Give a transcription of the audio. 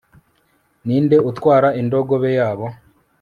ninde utwara indogobe yabo